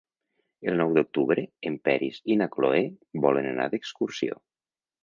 El nou d'octubre en Peris i na Cloè volen anar d'excursió.